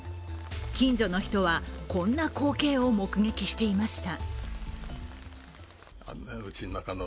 近所の人は、こんな光景を目撃していました。